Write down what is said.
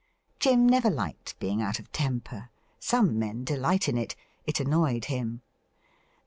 Jim never liked being out of temper. Some men delight in it. It annoyed him.